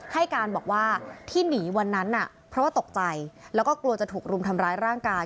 ให้การบอกว่าที่หนีวันนั้นน่ะเพราะว่าตกใจแล้วก็กลัวจะถูกรุมทำร้ายร่างกาย